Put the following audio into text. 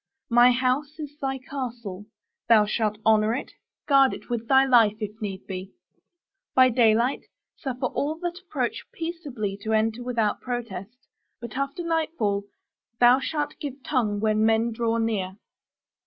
My house is thy castle; thou shalt honor it; guard it with thy life if need be. By daylight, suffer all that approach peaceably to enter without protest. But after nightfall thou shalt give tongue when men draw near.